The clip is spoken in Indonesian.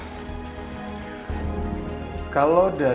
iya pak amar berpihak kepada bu andin